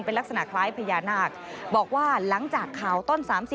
เป็นลักษณะคล้ายพญานาคบอกว่าหลังจากข่าวต้น๓๐